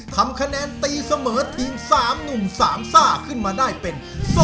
ทำคะแนนตีเสมอทีม๓หนุ่ม๓ซ่าขึ้นมาได้เป็น